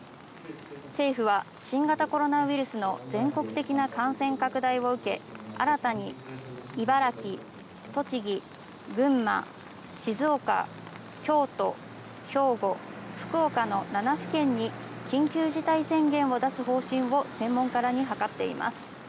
政府は新型コロナウイルスの全国的な感染拡大を受け、新たに茨城、栃木、群馬、静岡、京都、兵庫、福岡の７府県に緊急事態宣言を出す方針を専門家らにはかっています。